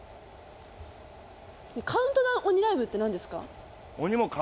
カウントダウン鬼ライブって何ですか？